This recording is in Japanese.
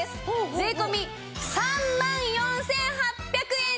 税込３万４８００円です！